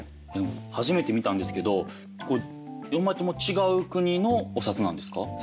初めて見たんですけど４枚とも違う国のお札なんですか？